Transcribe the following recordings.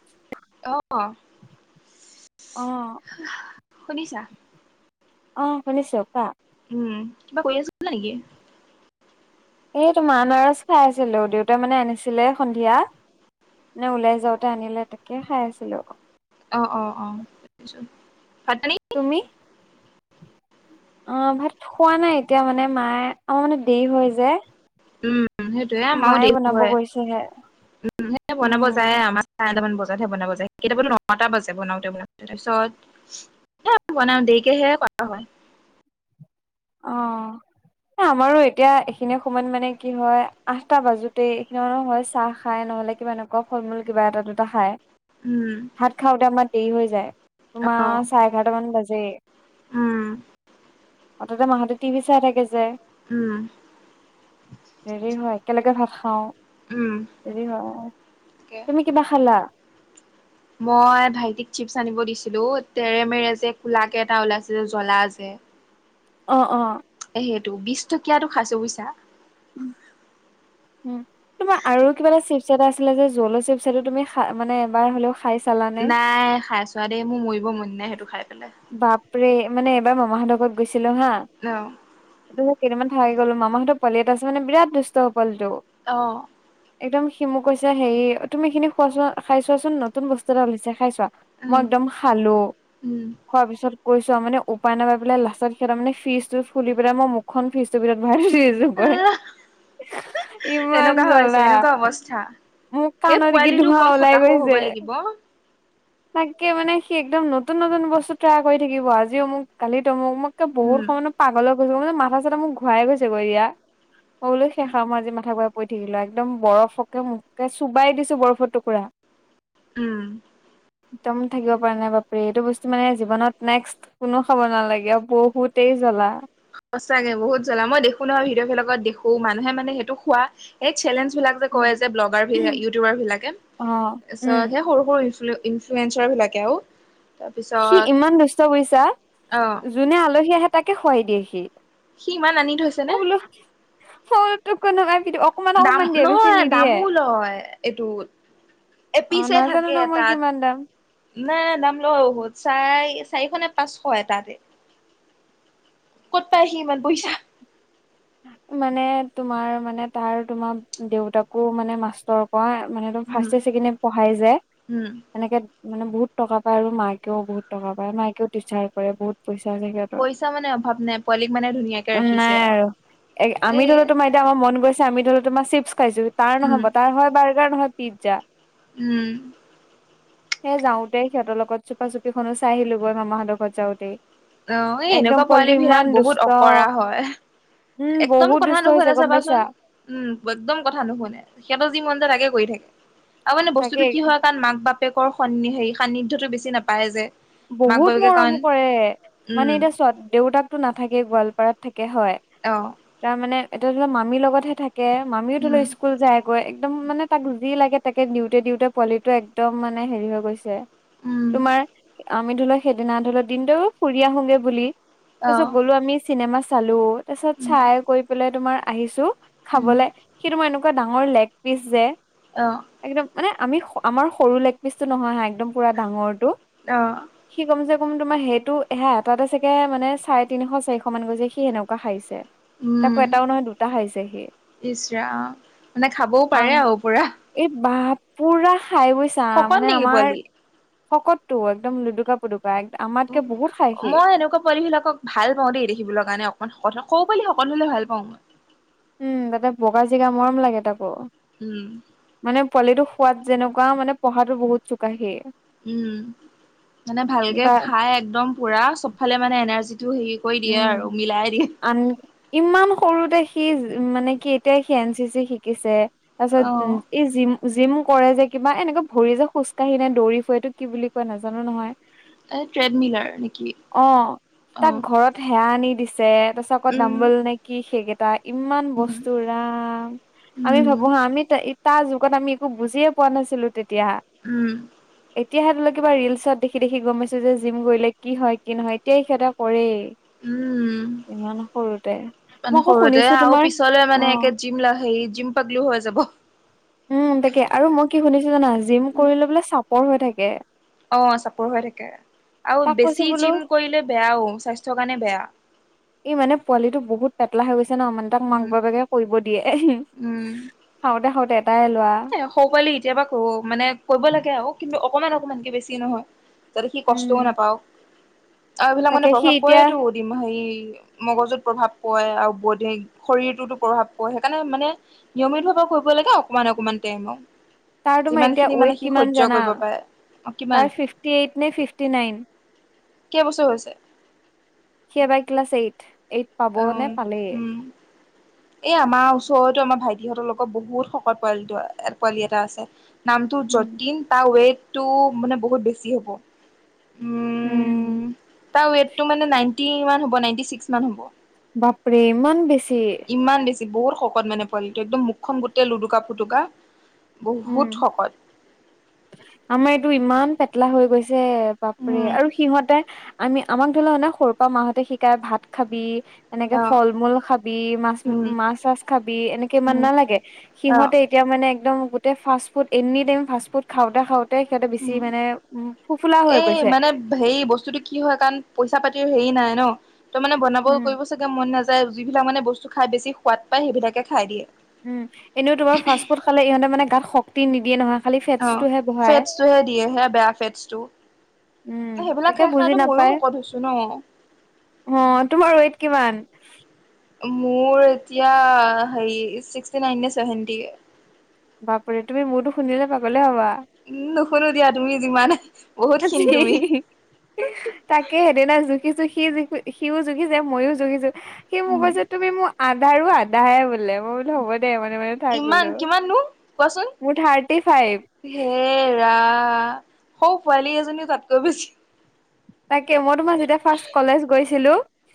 [inaudible] অ', অ শুনিছা? অ', শুনিছো কোৱা? উম, কিবা কৰি আছিলা নেকি? এইটো মা আনাৰস খাই আছিলো, দেউতাই মানে আনিছিলে সন্ধিয়া। [unintelligible] ওলাই যাওঁতে আনিলে, তাকে খাই আছিলো। অ', অ', অ। ভাত-পানী? তুমি? অ', ভাত খোৱা নাই এতিয়া মানে, মায়ে আমাৰ মানে দেৰি হৈ যায়। উম, সেইটোয়ে আমাৰো দেৰি হয়। গৈছেহে উম, সেই বনাব উম যায় আমা চাৰে আঠটামান বজাতহে বনাব যায়, কেতিয়াবাতো নটা বাজে বনাওঁতে-বনাওতে তাৰপিছত বনাওঁ, দেৰিকেহে [unintelligible] হয়। অ [inaudible] এ আমাৰো এতিয়া, এইখিনি সময়ত মানে কি হয় আঠটা বাজোতে, এইখিনি মানে হয় চাহ খাই নহলে কিবা এনেকুৱা ফলূল কিবা এটা দুটা খায় উম ভাত খাওতে আমাৰ দেৰি হৈ যায় অ তোমাৰ চাৰে এঘাৰট মান বাজেই উম অতে মাহঁতে টিভি চাই থাকে যে উম দেৰি হয় একেলগে ভাত খাওঁ উম হেৰি হয় তাকে তুমি কিবা খালা মই ভাইটিক চিপছ আনিব দিছিলো তেৰেমেৰে যে কোলা কেে এটা ওলাইছিলো জ্বলা যে অ অ এই সেইটো বিশ টকীয়াটো খাইছোঁ বুইছা উম উ তোমাৰ আৰু কিবা এটা চিপচাই এটা আছিলে যে জলো চিপচাইটো তুমিা মানে এবাৰ হলেও খাই চালান নাই খাই চোৱা দেই মোৰ মৰিব মন নাই সেইটো খাই পেলাই বাপৰে মানে এবাৰ মমাহতকত গৈছিলো হা অ ত কেইিনান খাই গলো মাহঁতৰ পালিিত আছে মানে বিৰাট দুষ্ট হ পালিটো অঁ একদম সিমু কৈছে হেৰি তুমি খিনি খোৱাচোৱা খাই চোৱাচোন নতুন বস্তু এটা উলিছে খাই চোৱা উম মই একদম ভালো উম খোৱাৰ পিছত কৈছো আৰু মানে উপায় নাপাই পেলাই লাষ্টত সিহঁৰ মানে ফজটো ফুলি পেল ম মুখখন ফিজ ৰ ভিতৰত ভছ কে আহ এনেকুৱা আ জ্বলা। হৈছে এনেকুৱা অৱস্থা মোৰ সেই কাণৰগি পোৱালিটো ধোঁৱা কম ওলাই সতাশও গৈছে হ'ব লাগিব তাকে মানে সি একদম নতুন নতুন বস্তু ট্ৰাৰ কৰি থাকিব আজিও মোক কালিতো মোক মোক এ বহুত উম সময়ানে পাগল হৈ গৈছে মানে মাথা চাথা মোক ঘূৰাই গৈছে গৈ এয়া হ'লো শেষা মই আজি মাথা বৰা পৰি থাকিলো একদম বৰফকে মুখকে চুবাই দিছো বৰফৰ টুকুৰা উম একদম থাকিব পাৰে নাই বাপৰে এইটো বস্তু মানে জীৱনত নেক্সট কোনো খাব নালাগে বহুতেই জ্বলা সঁচাগে বহুত জ্বলা মই দেখো নহয় ভিডিঅ'ব লগতখো মানুহে মানে সেইটো খোৱা এই চেলেঞ্জ বিলাক অ' উম। [unintelligible] ইনফ্লুৱেঞ্চাৰ বিলাকে আৰু সি তাৰপিছত ইমান দুষ্ট কৰিছা অ যোনে আলহী আহে তাকে খুৱাই দিয়ে সি সি ইমান আনি থৈছে নে অ বোলো সৰু কোনো দাম নহয় দামোল হয় এইটো অ এপিচ নাজানো থাকে ন মই তাত কিমান দাম নাই দাম ল বহুত চাৰ চাৰিশ নে পাঁচশ এটাতে ক'ত পাই আহি ইমান পইছা মানে তোমাৰ মানে তাৰ তোমাৰ দেউতাকো মানে মাষ্টৰ মানেদম উম, ফাৰ্ষ্টে চছেকেণ্ডে পঢ়াই যায় উম, এনেকে মানে বহুত টকা পায় আৰু মাইকেও বহুত টকা পায় মায়েও টিচাৰ কৰে বহুত পইচা থেগ পইচা মানে অভাৱ নাই পোৱালীক মানে ধুনীয়াকে ৰাখিছে আৰু এ আমি ধৰিলেও তোমাৰ এতিয়ামাৰ মন গৈছে আমি ধৰিলেও তোমাৰ চিপছ খাইছো তাৰ উম, নহ'ব তাৰ হয় বাৰ্গাৰ নহয় পিজ্জা উম সেই যাওঁতেই সিহঁতৰ লগত চুপা চুপীখননো চাই আহিলোঁগৈ মামাহঁতৰ ঘৰত যাওঁতেই। অ', এই একদম এনেকুৱা পোৱালী পোৱালিটো ইমান বিলাক বহুত অকৰা দুষ্ট হয়। উম একদম বহুত কথা দুষ্ট হৈছে নুশুধা গম পাইছা চাবাচোন। উম, একদম কথা নুশুনে সিহঁতৰ যি মন যায় তাকে কৰি থাকে। আৰু মানে তাকে বস্তুতটো কি হয় কাৰণ মাক বাপেকৰ স হে সান্নিধ্যতটো বেছি নাপায় যে। মাক বহুত বাপেকে কাৰণ মৰম কৰে উম, মানে এতিয়া দেউতাকতো নাথাকে গোৱালপাৰাত থাকে হয়। অ'। তাৰ মানে এতিয়া ধ লৰা মামীৰ লগতহে থাকে মামিও ধৰি উম, লও স্কুল যায়। গৈ একদম মানে তাক যি লাগে তাকে দিওঁতে দিওঁতে পোৱালিটোটো একদম মানে হেৰি হৈ গৈছে। উম, তোমাৰ আমি ধৰিলও সেইদিনা ধৰিলও দিনটো ফুৰি আহোগে বুলি। তাৰ পিছত অ', গলো আমি চিনেমা চালো তাৰ পিছত উম, চাই গৈ পেলাই তোমাৰ আহিছো। উম, খাবলে সিটো মই এনেকুৱা ডাঙৰ লেগ পিচ যে। অ'। একদম মানে আমি আমাৰ সৰু লেগ পিচটো নহয় হা একদম পুৰা ডাঙৰটো। অ'। সি কম চে কম তোমাৰ সেইটো এহে এটাতে চাগে মানে চাৰে তিনিশ চাৰিশ মান গৈছে সি সেনেকুৱা খাৰিছে। তাকো উম, এটাও নহয় দুটা খাইিছে সি ইচ ৰাম। মানে খাবও পাৰে আহ। আৰু পুৰা। এই বাঁ পুৰা খাই বৈছা শকত মানে নেকি আমাৰ পোৱালি? শকততটো একদম লুডুকাপ। এক আম উম, মই এনেকুৱা পোৱালি বিলাকক। ভাল পাওঁ দেই দেখিবলৈৰ কাৰণে অকণমানৌ পাল সকলো হলে ভাল পাওঁ মই। উম, তাতে বগা জিগা মৰম লাগে তাকো। উম। মানে পোৱালিটোো সোৱাদ যেনেকুৱা মানে পঢ়াো বহুত চোকাহিয়। উম মানে ভালকে বা খাই একদম পুৰা চবফালে মানে এনাৰ্জিটো হেৰি। কৰি দিয়ে উম আৰু মিলাই দিয়ে। আ ইমান সৰুতে সি মানে কি এতিয়া সি এন চি চি শিকিছে তাৰ পিছত উম। অ' এই জিম, জিম কৰে যে কিবা এনেকুৱা ভৰি যে খোজকাঢ়ি নে দৌৰি ফুটো কি বুলি কোৱা নাজানো নহয়। এ ট্ৰেডমিলাৰ নেকি অ'। হেৰা আনি দিছে তাৰছ কত উম দাম্বল নে কি সেইকেইটা ইমান উম বস্তুৰ। ম আমি উম ভাবো হা আমি তাৰ যুগত আমি একো বুজিয়ে পোৱা নাছিলো তেতিয়া। উম। এতিয়া সিহত লক কিবাৰিলচত দেখি দেখি গমাইছো যে জিম গলে কি হয় কি নহয় এতিয়াই সিহঁতে কৰেই। উম, ইমান সৰুতে মই মানে আকৌ সৰুতে শুনিছো আৰু তোমাৰ পিছলৈ মানে অ একে। জিম লে জিম পাগলো হৈ যাব। উম, তাকে আৰু মই কি শুনিছো জানা জিম কৰিলে বোলে চাপৰ হৈ থাকে। অ', চাপৰ হৈ থাকে আৰু তাক কৈছো বেছি বোলো জিম কৰিলে বেয়াও স্বাস্থ্যৰ কাৰণে বেয়া। এই মানে পোৱালিটো বহুত পটলা হৈ গৈছে ন অমান তাক মাক উম বাপোকে কৰিব দিয়ে। উম। খাওঁতে, খাওঁতে এটাই লোৱা। এ সৰু পোৱালি এতিয়াবা ক মানে কৰিব লাগে, আৰু কিন্তু অকমান অকমানকে বেছি নহয়। তাতে সি কষ্টও উম নাপাও আৰু এইবিলাক মানে তাকে সি প্ৰভাৱ এতিয়া পতো দিম হেৰি। মগজুত প্ৰভাৱ পৰে আৰু বধ শৰীৰটোতো প্ৰভাৱ পৰে সেইকাৰণে মানে। নিয়মিত ভাৱে কৰিব লাগে অকমান অকমান টাইমত। তাৰ তোমাৰ যিমান এতিয়া খিনি মানে ৱেইট সি কিমান সহ্য জানা কৰিব পাৰে। অ কিমান তাৰ ফিফটি এইট নে ফিফটি নাইন। কেইবছৰ হৈছে? সিয়বাই ক্লাছ এইট এইট পাব নে উম পালেই। উম এই আমাৰ ওচৰতো আমাৰ ভাইটিহঁতৰ লগত বহুত শকত পোৱালি পোৱালি এটা আছে। নামটো যতন তাৰ ৱেইটটো মানে বহুত বেছি হ'ব। উম। তাৰ ৱেটটো মানে নাইনটিান হ' নাইনটি ছিক্স মান হ'ব। বাপৰে ইমান বেছি ইমান বেছি বহুত শকত মানে পোৱিটো একদম মুখখন গোটেই লুটুকা, ফুটুকা উম বহুত শকত আমাৰ এইটো ইমান পেটলা হৈ গৈছে বাপৰে উম আৰু সিহতে আমি আমাক ধৰি লও নে সৰু পৰা মাহঁতে শিকাই ভাত খাবি এনেকে অ ফল মূল খাবি মাছ উম মাছ চাছ খাবি এনেকে ইমান উম নালাগে অ সিহঁতে এতিয়া মানেদম গোটেই ফাষ্টফুড এনি টাইম ফাষ্টফুড খাওঁতে খাওঁতে তে সিহঁতে বেছি উম মানে উম সোফুলা হৈ এই গৈছে মানে হেৰি বস্তুতটো কি হয় কাৰণ পইচা পাতি হেৰি নাই ন তই মানে বনাব উম কৰিব চাগে মন নাযায় যিবিলাক মানে বস্তু খাই বেছি সোৱাদ পায় সেইবিলাকে খাই দিয়ে। উম, এনেও তোমাৰ ফাষ্ট ফুড খালে ইহঁতে মানে গাত শক্তি নিদিয়ে নহয়। খালি অ', ফেটছটোহে বঢ়াই ফেটচটোহে দিয়েহে বেয়া ফেটচটো উম সেইবিলাক তাকে খাই বুজি খাইো ময়ো নাপায় ভকত হৈছো ন অ', তোমাৰ ৱেইট কিমান? মোৰ এতিয়া হেৰি ছিক্সটি নাইন নে চেভেনটি বাপুৰে তুমি মোৰতো শুনিলে পাগলে হবা উম, নুশুনো দিয়া তুমি যিমানে আজি তাকে, সেইদিনা জুখিছো সি জুি সিও জুখিছে মইও জুখিছো সেই উম মগজত তুমি মোৰ আধাৰো আধাহে বোলে মই বোলেো হ'ব দে মানে মানে ইমান গলো কিমাননো কোৱাচোন? মোৰ থাৰ্টি ফাইভ হেৰা সৌ পোৱালী এজনীও তাতকৈ বেছি তাকে, মই তোমাৰ যেতিয়া ফাৰ্ষট কলেজ গৈছিলো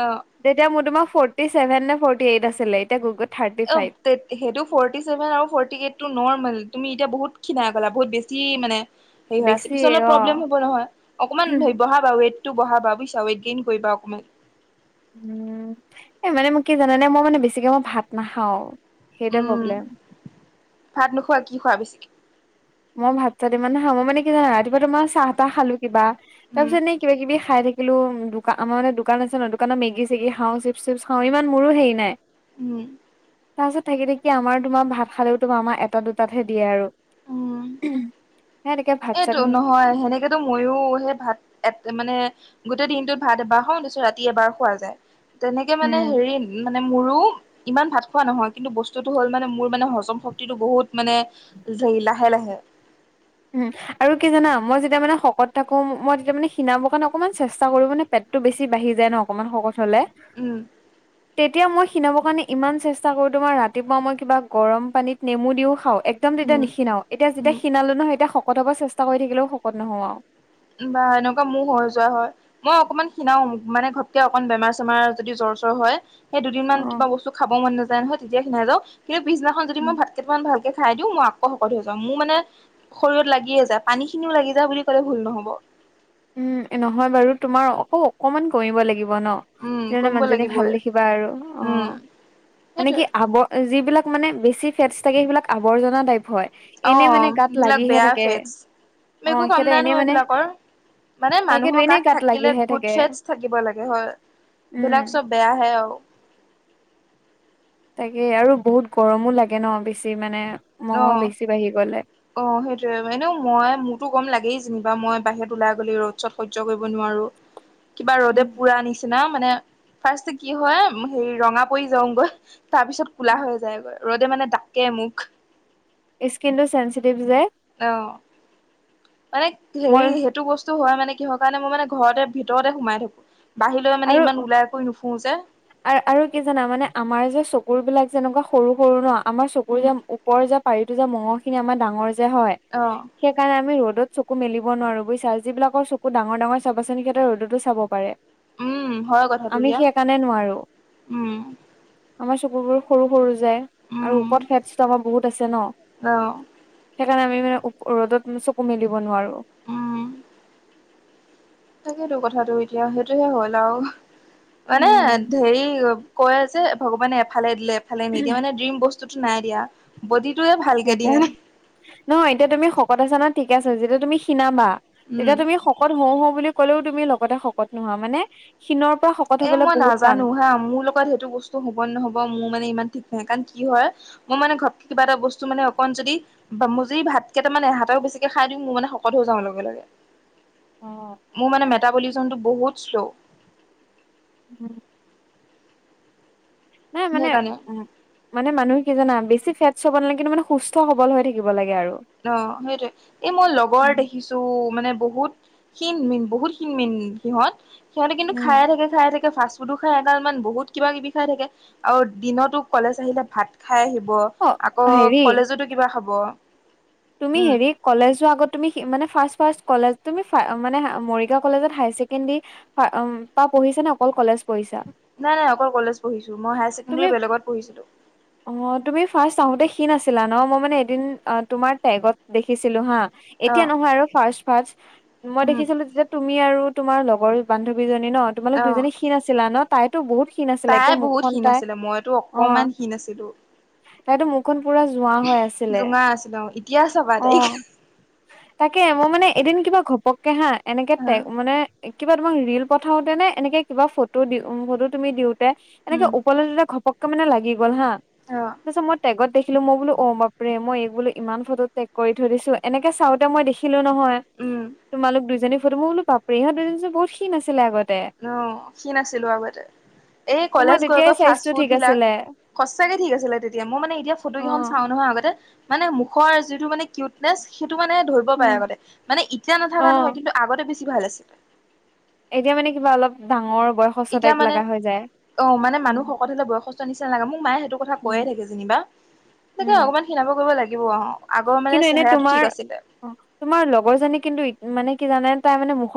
অ' তেতিয়া মোৰ তোমাৰ ফৰ্টি চছেভে নে ফৰ্টি এইট আছিলে এতিয়া থাৰ্টি অ', ফাইভ সেইটো ফৰ্টি চেভেন আৰু ফৰ্টি এইটটো নৰ্মেল তুমি এতিয়া বহুত ক্ষিনা ক'লা বহুত বেছি মানে হেৰি হৈ আছে, বেছি পিছত অলপ অ প্ৰব্লেম হব নহয় অকণমান ধৰি বহাগ ৱেট টো বুজিছ ট গেইন কৰিবা অকণমান উ, মানে মোক কি জানানে মই মানে বেছিকে মই ভাত নাখাও সেইটোয়ে উম প্ৰব্লেম ভাত নোখোৱা কি খোৱা বেছি? মই ভাত চাহ ইমান ন খাওঁ মই মানে কি ৰাতিপুৱা চাহ তাহ খালো কিবা তাৰ উম পিছত ন কিবা কি খাই থাকিলোঁ, দোকান আমাৰ মানে দোকান আছে ন দোকানত মেগি চেগি খাওঁ চিপছ চিপছ খাওঁ ইমান মোৰো হেৰি নাই উ, তাৰপিছত থাকি থাকি আমাৰ তোমাৰ ভাত খালেও তোমাৰ আমাৰ এটা দুটাতহে দিয়ে আৰু অ', উম, এইটো নহয় সেনেকেতো ময়ো সেই ভাত এ মানে গোটেই দিনটোত ভাত এবাৰ খাওঁ, ৰাতি এবাৰ খোৱা যায় তেনেকে মানে উম হেৰি মানে মোৰো ইমান ভাত খোৱা নহয়, কিন্তু বস্তুতটো হ'ল মানে মোৰ মানে হজম শক্তিটো বহুত মানে লাহে, লাহে, উম, আৰু কি জানা মই যেতিয়া মানে শকত থাকো মই তেতিয়া মানে খিনাবৰ কাৰণে অকণমান চেষ্টা কৰো মানে পেটতটো বেছি বাঢ়ি যায় ন অকণমান শকত হ'লে উম, তেতিয়া মই খিনাবৰ কাৰণে ইমান চেষ্টা কৰোঁ তোমাৰ ৰাতিপুৱা মই কিবা গৰম পানীত নেমু দিও খাওঁ একদম তেতিয়া উম নিখিনাও এতিয়া যেতিয়া উম শিনালো নহয় তেতি শত হব চেষ্টা কৰি থাকিলেও শকত নহওঁ আৰু কিবা এনেকুৱা মোৰো হৈ যোৱা হয়। মই, অকমান শনাাও মানে ঘটকে অকমান বেমাৰ চেমাৰ যদি জ্বৰ চৰ হয়। সেই দুদিনমান কিবা বস্তু খাব মন নাযায় নহয় তেতিয়া খিনাই যাওঁ কিন্তুিদিনাখন যদি মই ভাত কেইটামান ভালকে খাই দিও মই আকৌ শকত হৈ যাওঁ, মোৰ মানে শৰীৰত লাগিয়ে যায় পানী খিনিও লাগি যা বুলি ক'লে ভুল নহ'ব [unintelligible] উম্ নহয় বাৰু, তোমাৰ অকৌ অকমান কমিব লাগিব ন। উম তেতিয়া মানে কমিব মানুহজনী লাগিবই ভাল দেখিবা আৰু উম অ', মানে সেইটোৱে কি আৱ- যিবিলাক মানে বেছি ফেটছ থাকে। সেইবিলাক আৱৰ্জনা টাইপ হয়। এনে মানে অ', গাত এইবিলাক লাগিহে বেয়া থাকে ফেটচ, অ একো কাম সিহঁতে নাই এনে নহয় মানে এইবিলাকৰ। মানে তাকেতো মানুহৰ এনে গাত থাকিলে লাগিহে গুড থাকে ফেটছ থাকিব লাগে হয়। এই উম বিলাক চব বেয়াহে আৰু। তাকে আৰু বহুত গৰমো লাগে ন বেছি মানে, অ মঙহো বেছি বাঢ়ি গ'লে। অ', সেইটোয়ে, এনেও মই মোৰতো গৰম লাগেই যেনিবা। মই বাহিৰত ওলাই গ'লে, ৰ'দ চদ সহ্য কৰিব নোৱাৰোঁ। উ কিবা ৰ'দে পুৰা নিচিনা, মানে ফাৰ্ষ্ট কি হয় হেৰি ৰঙা পৰি যাওঁগৈ। তাৰপিছত কলা হৈ যায়গৈ, ৰ'দে মানে ডাকে মুখ। স্কিনটো চেঞ্চিটিভ যে। অ', মানে হেৰি, মই সেইটো বস্তু হয় মানে কিহৰ কাৰণে। মই মানে ঘৰতে ভিতৰতে সোমাই থাকো। বাহিৰলৈ মানে ইমান ওলাই কৰি নুফুৰোঁ যে। আৰু, আৰু কি জানা মানে আমাৰ যে চকুৰ বিলাক যেনেকুৱা সৰু সৰু ন। আমাৰ চকু উম যে- ওপৰ যে পাৰিটো যে মঙহখিনি আমাৰ ডাঙৰ যে হয়। অ', সেইকাৰণে আমি ৰ'দত চকু মেলিব নোৱাৰো বুজিছা, যিবিলাকৰ চকু ডাঙৰ ডাঙৰ চাবাচোন সিহঁতে ৰ'দতো চাব পাৰে। উম আমি সেই কাৰণে নোৱাৰোঁ। উম্, আমাৰ চকুৰবোৰ সৰু সৰু যে, উম আৰু ওপৰত ফেটছটো আমাৰ বহুত আছে ন। অ সেইকাৰণে আমি মানে ৰ'দত ম চকু মেলিব নোৱাৰোঁ। উম্, তাকেইতো কথাটো এতিয়া সেইটোহে হ'ল আৰু মানে উম হেৰি। কয় যে ভগৱানে এফালে দিলে এফালে নিদিয়ে। মানে ড্ৰিম বস্তুতটো নাই দিয়া, বডিটোয়ে ভাল, সেইটোয়ে, নহয় এতিয়া তুমি শকত আছা নহয় ঠিকে আছা, যেতিয়া তুমি ক্ষীনাবা। উম তেতিয়া তুমি শকত হওঁ হওঁ বুলি ক'লেও তুমি লগতে শকত নোহোৱা, মানে ক্ষীনৰ- এ মই নাজানোঁ হা, মোৰ লগত সেইটো বস্তু হ'ব নে নহ'ব। মোৰ মানে ইমান ঠিক নাই হা, কাৰণ কি হয়- মই মানে ঘপকে কিবা এটা বস্তু মানে অকণ যদি। বা মোৰ যদি ভাত কেইটা মানে এহেতাও বেছিকে খাই দিওঁ, মই মানে শকত হৈ যাওঁ লগে লগে। অ মোৰ মানে মেটাবলিচমটো বহুত শ্ল'। উম্, নাই মানে, সেইকাৰণে। উম্। মানে মানুহ কি জানা, বেছি ফেটচ হ'ব নালাগে। কিন্তু মানে সুস্থ সবল হৈ থাকিব লাগে আৰু। অ', সেইটোৱে, এই মোৰ লগৰ উম দেখি- কিছু মানে বহুত ক্ষীন মিন বহুত ক্ষীন মিন সিহঁত। সিহঁতে কিন্তু উম খায়ে থাকে, খায়ে থাকে ফাচ ফোডু খাই এগাল মান বহুত কিবা কিবি খাই থাকে আৰু দিনতো কলেজ আহিলে ভাত খাই আহিব। অ আকৌ হেৰি কলেজতো কিবা খাব। তুমি উম হেৰি, কলেজ যোৱা আগত তুমি মানে ফাৰ্ষ্ট ফাৰ্ষ্ট কলেজ, তুমি মানে মৰিগাঁও কলেজত হায়াৰ ছেকেণ্ডাৰী, হয় উম্, পা পঢ়িছা নে অকল কলেজ- পঢ়িছা নাই নাই অকল কলেজ পঢ়িছোঁ, মই হায়াৰ তুমি চেকেণ্ডেৰী বেলেগত পঢ়িছিলোঁ। অ', তুমি ফাৰ্ষ্ট আহোতে ক্ষীণ আছিলা ন, মই মানে এদিন তোমাৰ টেগত দেখিছিলোঁ হা। অ এতিয়া নহয় আৰু ফাৰ্ষ্ট ফাৰ্ষ্ট, মই উম দেখিছিলোঁ তেতিয়া। তুমি আৰু তোমাৰ লগৰ বান্ধৱীজনী ন, তোমালোক অ দুইজনী ক্ষীণ আাছিলা ন। তাইতো বহুত ক্ষীণ আছিলে, তাই একদম মুখ বহুত খন ক্ষীণ তাই আছিলে মইতো অ', অকমান ক্ষীণ আছিলোঁ। তাইতো মুখ খন পুৰা যোৱা হৈ আছিলে জোঙা আছিলো এতিয়া চাবা তাইক অ', তাকে মই মানে এদিন কিবা ঘপকে হা, এনেকে অ টেগ মানে। কিবা তোমাক ৰিল পঠাওতে নে এনেকে কিবা ফটো দি ফটো তুমি দিওতে এনেকে উম উপলব্ধিটো ঘপককে মানে লাগি গ'ল হা অ'। তাৰপিছত মই টেগত দেখিলো মই বোলো অ' বাপৰে মই এই বোলো ইমান ফটোত টেগ কৰি থৈ দিছো এনেকে চাওঁতে মই দেখিলো দেখিলো নহয় উম তোমালোক দুইজনীক ফটো, মই বোলো বাপ্ৰে ইহঁত দুজনী বহুত খিন আছিলে আগত অ' খিন আছিলো আগতে এই তোমাৰ কলেজ গৈ তেতিয়াই গৈ ফাষ্ট চাইজটো ফুড ঠিক বিলাক আছিলে সঁচাকে ঠিক আছিলে তেতিয়া মই মানে এতিয়া ফটো অ কেইখন চাওঁ নহয় আগতে মানে মুখৰ যিটো মানে কিউটনেচ সেইটো মানে ধৰিব পাৰে উম আগতে, মানে এতিয়া অ নাথকা নহয় কিন্তু আগতে বেছি ভাল আছিল। এতিয়া মানে কিবা অলপ ডাঙৰ বয়সস্থ এতিয়া টাইপ মানে লাগা হৈ যায়। অ' মানে উম মানুহ শকত হ'লে বয়সস্থ নিচিনা লাগে মোক মায়ে সেইটো কথা উম কৈয়ে থাকে যেনিবা। তাকে উম অকমান খিনাব কৰিব লাগিব অহ আগৰ মানে কিন্তু এনে চেহেৰাটো তোমাৰ ঠিক আছিলে। অ তোমাৰ লগৰ জনী কিন্তু মানে কি জানানে তাই মানে মুখৰ